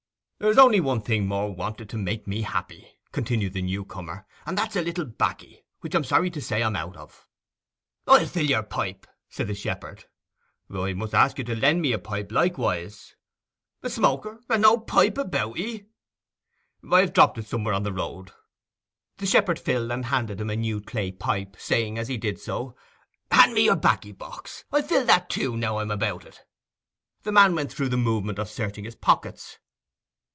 'There is only one thing more wanted to make me happy,' continued the new comer. 'And that is a little baccy, which I am sorry to say I am out of.' 'I'll fill your pipe,' said the shepherd. 'I must ask you to lend me a pipe likewise.' 'A smoker, and no pipe about 'ee?' 'I have dropped it somewhere on the road.' The shepherd filled and handed him a new clay pipe, saying, as he did so, 'Hand me your baccy box—I'll fill that too, now I am about it.' The man went through the movement of searching his pockets.